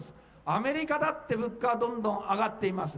アメリカだって物価はどんどん上がっています。